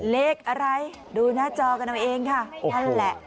เลขอะไรดูหน้าจอกันเอาเองค่ะนั่นแหละ